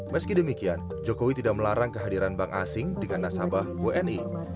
meski demikian jokowi tidak melarang kehadiran bank asing dengan nasabah wni